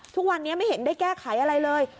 ทุกวันนี้ไม่เห็นได้แก้ไขอะไรเลย